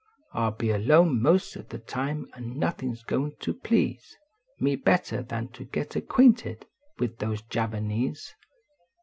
I ll be alone inos of the time an nothin s going to please Me better than to get acquainted with those Javanese.